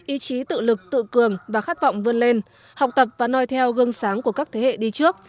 ý chí tự lực tự cường và khát vọng vươn lên học tập và nôi theo gương sáng của các thế hệ đi trước